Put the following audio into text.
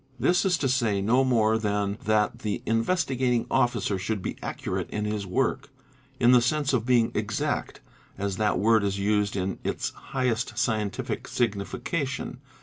This is to say no more than that the te 2,2, THE INVESTIGATING OFFICER Investigating Officer should be accurate in his work, in the sense of — e being ''exact,'' as that word is used in its highesf scientific signification.